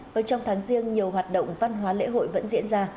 và trong tháng riêng nhiều hoạt động văn hóa lễ hội vẫn diễn ra